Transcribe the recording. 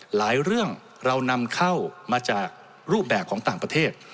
หลายเรื่องเรานำเข้ามาจากรูปแบบของต่างประเทศ